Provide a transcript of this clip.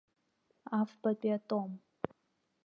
Афбатәи атом.